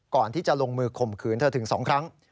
ก่อนที่จะลงมือข่มขืนเธอถึง๒ครั้ง